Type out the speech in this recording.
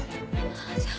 ああじゃあ。